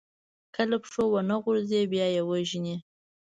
که له پښو ونه غورځي، بیا يې وژني.